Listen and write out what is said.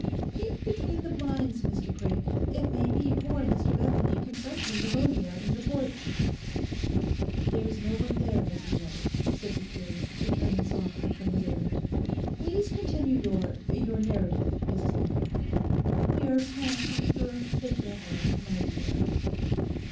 'Peep between the blinds, Mr Craik; it may be poor Mr Bethany confronting Pneumonia in the porch.' 'There's no one there, Mrs Lovat,' said the curate, returning softly from his errand. 'Please continue your—your narrative, Mrs Lawford.' 'We are panting for the "devil," my dear.